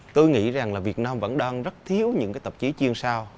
tôi nghĩ rằng là việt nam vẫn đang rất thiếu những tạp chí chuyên sâu